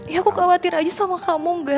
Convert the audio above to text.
ya aku khawatir aja sama kamu gak